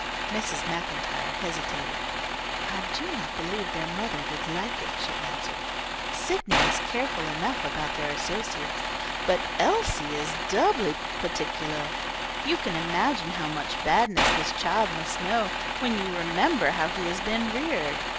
Mrs. MacIntyre hesitated. "I do not believe their mother would like it," she answered. "Sydney is careful enough about their associates, but Elise is doubly particular. You can imagine how much badness this child must know when you remember how he has been reared.